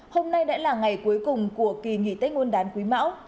hôm nay đã là ngày cuối cùng của kỳ nghỉ tết nguyên đán quý mão